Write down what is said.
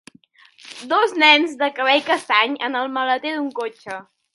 Dos nens de cabell castany en el maleter d'un cotxe.